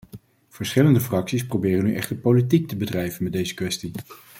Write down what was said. Verschillende fracties proberen nu echter politiek te bedrijven met deze kwestie.